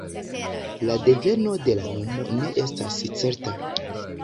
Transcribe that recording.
La deveno de la nomo ne estas certa.